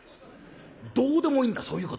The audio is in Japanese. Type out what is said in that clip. どうでもいいんだそういうことは。